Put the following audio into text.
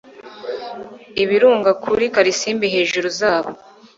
ibirunga kuri karisimbi hejuru zabo